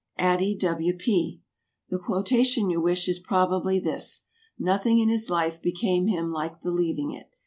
ADDIE W. P. The quotation you wish is probably this: "Nothing in his life became him like the leaving it."